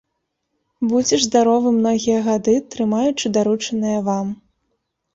Будзьце ж здаровы многія гады, трымаючы даручанае вам.